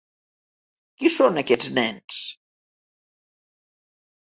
Qui són aquests nens?